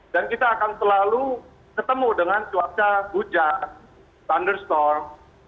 dan kita akan selalu ketemu dengan cuaca hujan thunderstorm